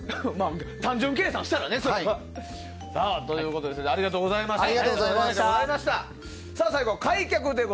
単純計算したらね、それは。ということで早田先生ありがとうございました。